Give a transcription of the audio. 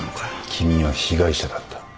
君は被害者だった。